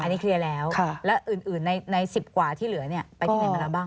อันนี้เคลียร์แล้วแล้วอื่นใน๑๐กว่าที่เหลือเนี่ยไปที่ไหนมาแล้วบ้าง